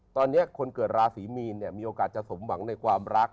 ตอนนี้คนเกิดราศีมีนมีโอกาสจะสมหวังในความรัก